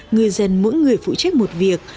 người dân mỗi người phụ trách một việc